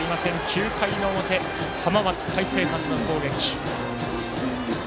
９回の表、浜松開誠館の攻撃。